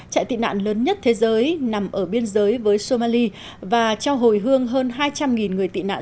trại tị nạn lớn nhất thế giới nằm ở biên giới với somali và cho hồi hương hơn hai trăm linh người tị nạn